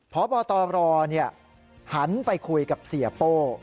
พบตรหันไปคุยกับเสียโป้